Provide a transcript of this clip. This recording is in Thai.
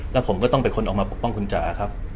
แล้วผมก็ต้องเป็นคนออกมาปกป้องคุณจ๋าครับ